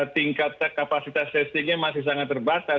tingkat kapasitas testingnya masih sangat terbatas